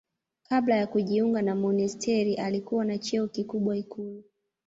Kabla ya kujiunga na monasteri alikuwa na cheo kikubwa ikulu.